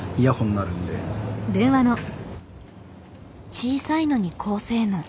小さいのに高性能。